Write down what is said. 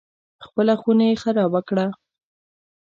خپله خونه یې خرابه کړه.